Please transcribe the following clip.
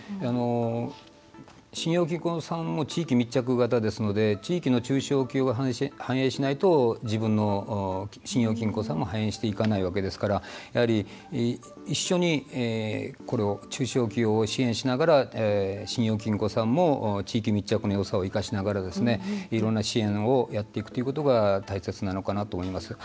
信用金庫さんも地域密着型ですので地域の中小企業が繁栄しないと信用金庫さんも反映していかないわけですからやはり、一緒に中小企業を支援しながら信用金庫さんも地域密着の要素を生かしながらいろんな支援をしないといけないと思いますね。